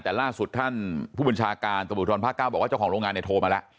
แต่ล่าสุดท่านผู้บริญชาการตมธรพ์ภาคเก้าบอกว่าเจ้าของโรงงานโทรมาแล้ว